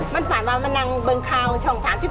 มันฝันว่ามานั่งเบิงคาวช่อง๓๒